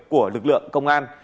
của lực lượng công an